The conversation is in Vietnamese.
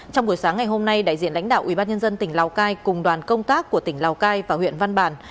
trong buổi sáng ngày hôm nay đại diện lãnh đạo ubnd tỉnh lào cai cùng đoàn công tác của tỉnh lào cai và huyện văn bàn